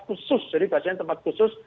khusus jadi biasanya tempat khusus